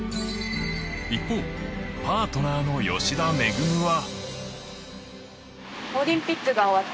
一方、パートナーの吉田萌は。